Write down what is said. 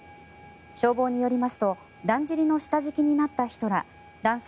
消防によりますとだんじりの下敷きになった人ら男性